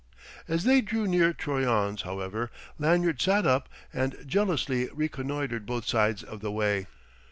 As they drew near Troyon's, however, Lanyard sat up and jealously reconnoitered both sides of the way.